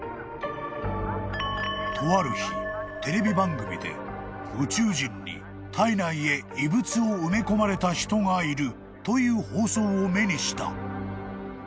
［とある日テレビ番組で宇宙人に体内へ異物を埋め込まれた人がいるという放送を目にした］